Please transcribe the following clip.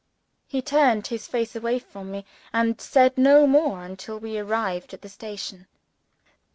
He turned his face away from me, and said no more until we arrived at the station.